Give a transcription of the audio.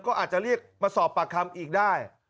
ก็อาจจะเรียกมาสอบปากคำอีกได้